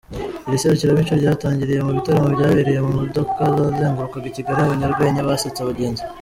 Iri serukiramuco ryatangiriye mu bitaramo byabereye mu modoka zazengurukaga Kigali abanyarwenya basetsa abagenzi.